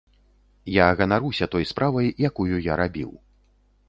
Я ганаруся той справай, якую я рабіў.